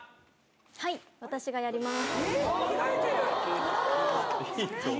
はい、私がやります。